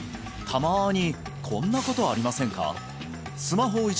たまにこんなことありませんか？